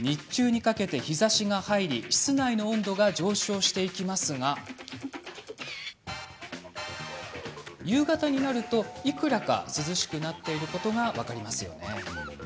日中にかけて、日ざしが入り室内の温度が上昇していきますが夕方になるといくらか涼しくなっていることが分かりますよね。